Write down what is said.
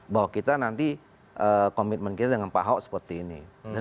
bahwa kita nanti komitmen kita dengan pak ahok seperti ini